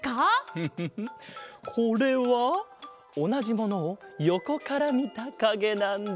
フフフこれはおなじものをよこからみたかげなんだ。